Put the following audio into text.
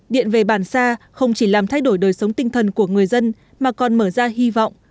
điện về bàn xa không chỉ làm thay đổi đời sống tinh thần của người dân mà còn mở ra hy vọng